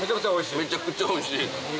めちゃくちゃおいしい！